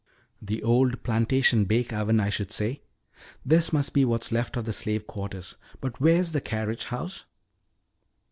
"The old plantation bake oven, I should say. This must be what's left of the slave quarters. But where's the carriage house?"